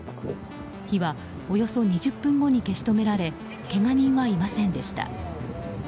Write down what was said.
火は、およそ２０分後に消し止められけが人はいませんでした。